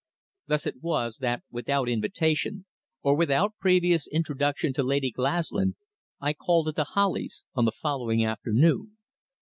Thus it was that without invitation, or without previous introduction to Lady Glaslyn, I called at the Hollies on the following afternoon.